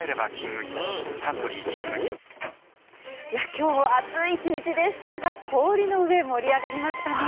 今日は暑い１日でしたが氷の上、盛り上がりましたね。